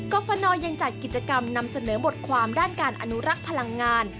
ฟนยังจัดกิจกรรมนำเสนอบทความด้านการอนุรักษ์พลังงาน